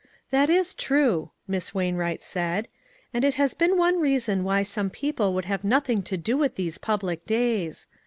"That is true," Miss Wainwright said, " and it has been one reason why some people would have nothing to do with these public days.